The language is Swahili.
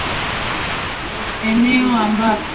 Polisi walipiga kambi usiku wa Ijumaa katika eneo ambako